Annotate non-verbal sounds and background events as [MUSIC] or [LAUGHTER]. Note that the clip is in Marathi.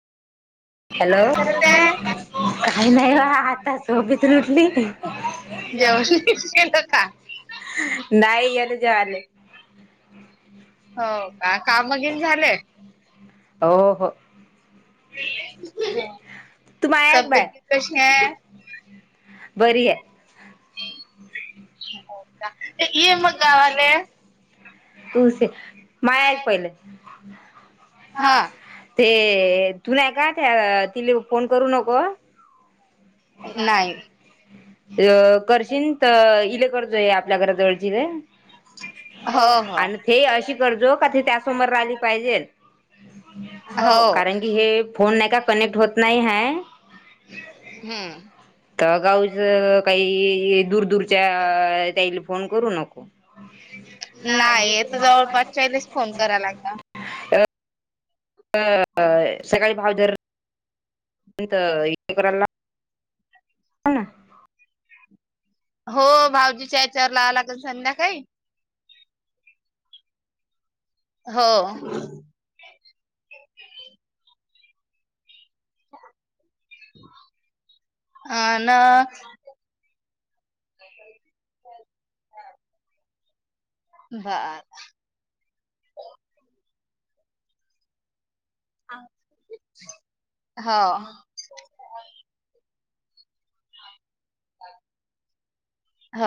हॅलो! खरं ते काही नाही वा आता झोपेतून ल उठली [INAUDIBLE] जेवण केलं का नाही या न जेवले. हो का काम बगीन झालंय. ओ हो तू माय ऐक बाय तब्येत कशी आहे? बरी आहे. इ मग गावाले [INAUDIBLE] तू मायाक पहिलं [INAUDIBLE] हा ते तूल्या काड्या का त्या तिला फोन करू नको. नाही. अ करशन तर इले करतोय आपल्या घरा जवळची ते.. हो हो आणि ते अशी करजो का ते त्यासमोर राहिली पाहिजे. हो कारण की हे फोन नाही का कनेक्ट होत नाही ह. हम्म तर गावच काही दूर दूरच्या त्याईला फोन करू नको. नाही त तर जा [INAUDIBLE] जवळपासच्यालेच फोन कराय लागते. अ सकाळी [INAUDIBLE] हा ना हो भाऊजीच्या यांच्यावर ला लावला संध्याकाळी, हो हा ना हा हो [INAUDIBLE] हो